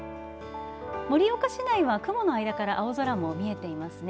盛岡市内は雲の間から青空も見えていますね。